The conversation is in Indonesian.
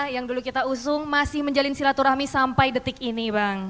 yang dulu kita usung masih menjalin silaturahmi sampai detik ini bang